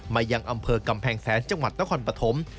ยังอำเภอกำแพงแสนจังหวัดนครปฐม